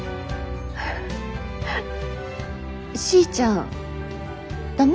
しーちゃん駄目？